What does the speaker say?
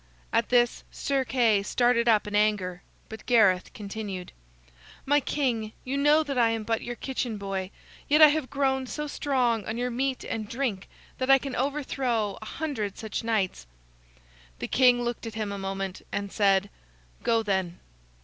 At this, Sir Kay started up in anger, but Gareth continued: "My king, you know that I am but your kitchen boy, yet I have grown so strong on your meat and drink that I can overthrow an hundred such knights." The king looked at him a moment, and said: "Go, then."